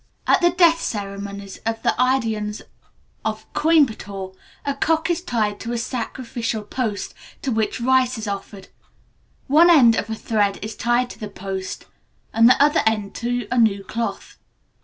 At the death ceremonies of the Idaiyans of Coimbatore, a cock is tied to a sacrificial post, to which rice is offered. One end of a thread is tied to the post, and the other end to a new cloth.